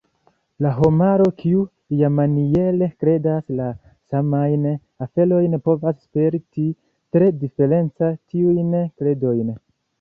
La homaro kiu "iamaniere" kredas la samajn aferojn povas sperti tre diference tiujn kredojn.